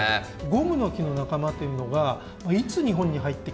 ゴムノキの仲間というのがいつ日本に入ってきたかといいますと。